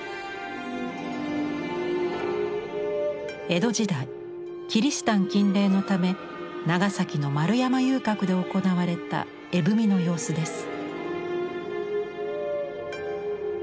江戸時代キリシタン禁令のため長崎の丸山遊郭で行われた絵踏みの様子です。